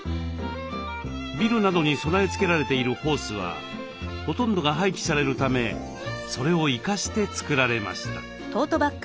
ビルなどに備え付けられているホースはほとんどが廃棄されるためそれを生かして作られました。